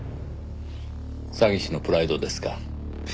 詐欺師のプライドですか。